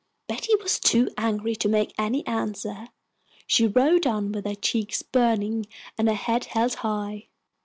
Betty was too angry to make any answer. She rode on with her cheeks burning and her head held high.